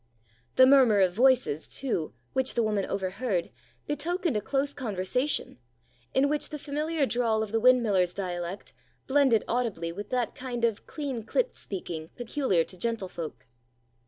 The murmur of voices, too, which the woman overheard, betokened a close conversation, in which the familiar drawl of the windmiller's dialect blended audibly with that kind of clean clipt speaking peculiar to gentlefolk.